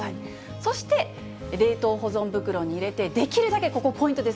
そして冷凍保存袋に入れて、できるだけここ、ポイントです。